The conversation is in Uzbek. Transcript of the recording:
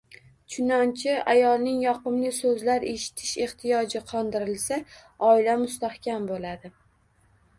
Chunonchi, ayolning yoqimli so‘zlar eshitish ehtiyoji qondirilsa, oila mustahkam bo‘ladi.